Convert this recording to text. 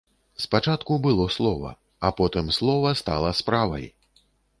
Спачатку было слова, а потым слова стала справай!